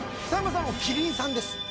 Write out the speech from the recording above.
さんまさんはキリンさんです。